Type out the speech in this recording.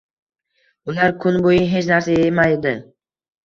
Ular kun boʻyi hech narsa yemaydi